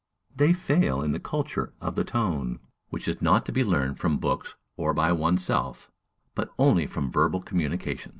They fail in the culture of the tone, which is not to be learned from books or by one's self, but only from verbal communication.